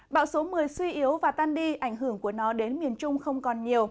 bão số một mươi suy yếu và tan đi ảnh hưởng của nó đến miền trung không còn nhiều